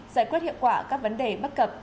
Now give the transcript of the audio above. giải quyết hiệu quả các vấn đề bất cập